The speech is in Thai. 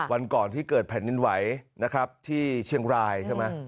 วันก่อนที่เกิดแผ่นดินไหวที่เชียงราย